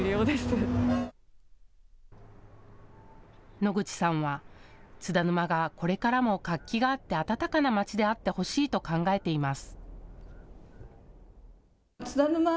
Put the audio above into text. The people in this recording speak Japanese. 野口さんは津田沼がこれからも活気があって温かな街であってほしいと考えています。